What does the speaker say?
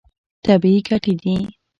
طبیعي ګټې دي.